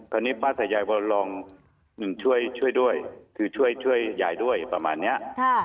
คราวนี้พระศัยยายพระรองช่วยด้วยช่วยยายด้วยประมาณเนี่ย